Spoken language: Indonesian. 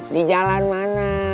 di jalan mana